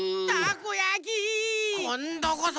こんどこそ！